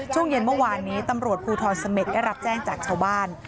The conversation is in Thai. ช่วงเย็นเมื่อวานนี้ตำรวจภูทรเสม็ดได้รับแจ้งจากชาวบ้าน